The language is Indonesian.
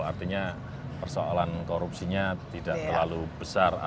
artinya persoalan korupsinya tidak terlalu besar